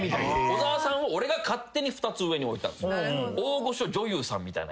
小沢さんを俺が勝手に２つ上に置いたんです。